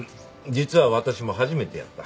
実は私も初めてやった。